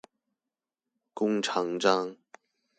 弓長張